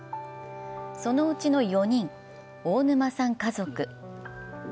そのうちの４人、大沼さん家族。